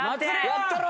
やったろう！